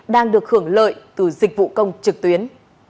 đang được hưởng lợi từ dịch vụ công trực tuyến